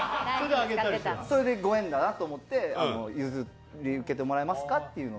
それで、ご縁だなと思って、譲り受けてもらえますかと。